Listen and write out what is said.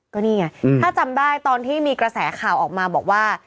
ก็นี่ไงถ้าจำได้ตอนที่มีกระแสข่าวออกมาบอกว่า